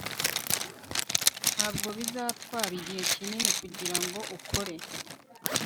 ntabwo bizatwara igihe kinini kugirango ukore